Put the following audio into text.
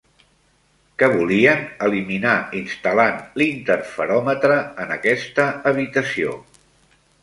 Què volien eliminar instal·lant l'interferòmetre en aquesta habitació?